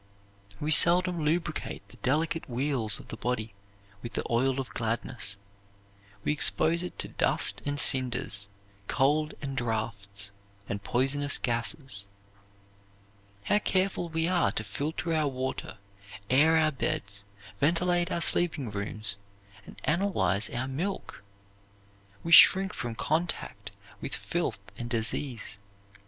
We seldom lubricate the delicate wheels of the body with the oil of gladness. We expose it to dust and cinders, cold and draughts, and poisonous gases. How careful we are to filter our water, air our beds, ventilate our sleeping rooms, and analyze our milk! We shrink from contact with filth and disease.